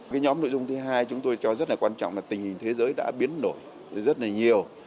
cái nhóm nội dung thứ hai chúng tôi cho rất là quan trọng là tình hình thế giới đã biến nổi rất là nhiều